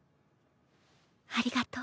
ありがとう。